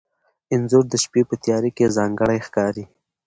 انځور د شپې په تیاره کې ځانګړی ښکاري.